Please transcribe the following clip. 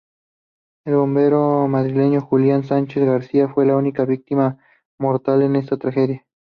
El bombero madrileño Julián Sánchez García fue la única víctima mortal de esta tragedia.